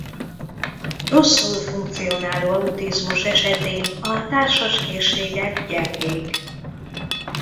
Rosszul funkcionáló autizmus esetén a társas készségek gyengék.